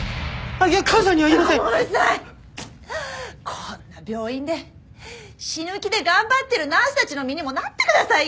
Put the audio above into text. こんな病院で死ぬ気で頑張ってるナースたちの身にもなってくださいよ！